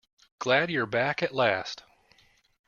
Glad you're back at last.